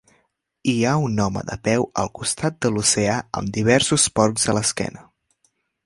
Hi ha un home de peu al costat de l'oceà amb diversos porcs a l'esquena.